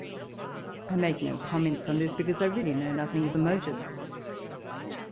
I make no comments on this, because I really know nothing of the motives.